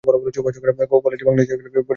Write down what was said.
কলেজটি বাংলাদেশ বিমান বাহিনী কর্তৃক পরিচালিত।